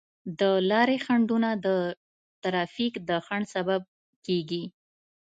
د لارې خنډونه د ترافیک د ځنډ سبب کیږي.